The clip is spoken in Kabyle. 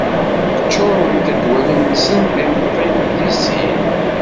Ččurent-d wallen-nsen d imeṭṭi di sin.